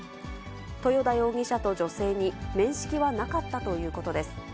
豊田容疑者と女性に面識はなかったということです。